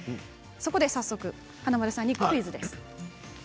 早速、華丸さんにクイズです。